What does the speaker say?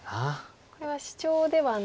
これはシチョウではないので。